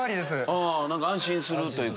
あぁ安心するというか。